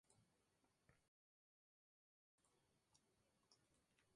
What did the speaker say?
Un francotirador asesina a cinco desconocidos frente al río Allegheny.